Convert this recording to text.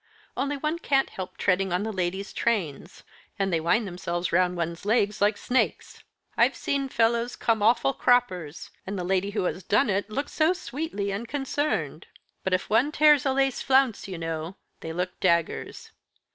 Only one can't help treading on the ladies' trains, and they wind themselves round one's legs like snakes. I've seen fellows come awful croppers, and the lady who has done it look so sweetly unconcerned. But if one tears a lace flounce, you know, they look daggers.